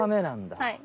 はい。